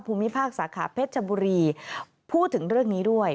ภูมิภาคสาขาเพชรชบุรีพูดถึงเรื่องนี้ด้วย